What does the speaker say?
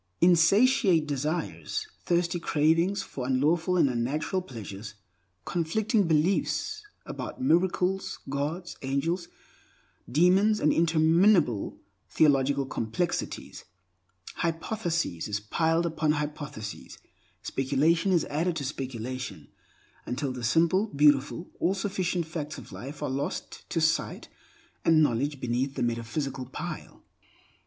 Insatiate desires; thirsty cravings for unlawful and unnatural pleasures; conflicting beliefs about miracles, gods, angels, demons, and interminable theological complexities, hypothesis is piled upon hypothesis, speculation is added to speculation, until the simple, beautiful, all sufficient facts of life are lost to sight and knowledge beneath the metaphysical pile.